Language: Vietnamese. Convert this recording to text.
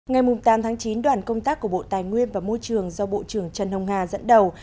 ngày tám chín đoàn công tác của bộ tài nguyên và môi trường do bộ trưởng trần hồng hà dẫn đầu